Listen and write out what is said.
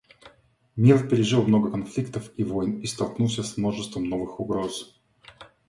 Мир пережил много конфликтов и войн и столкнулся с множеством новых угроз.